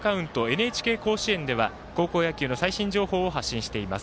ＮＨＫ甲子園では高校野球の最新情報を発信しています。